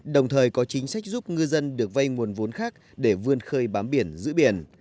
đồng thời có chính sách giúp ngư dân được vay nguồn vốn khác để vươn khơi bám biển giữ biển